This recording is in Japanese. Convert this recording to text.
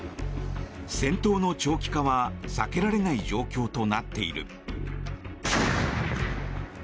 戦闘の長期化は避けられない状況となっている。